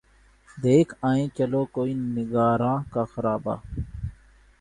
دیکھ آئیں چلو کوئے نگاراں کا خرابہ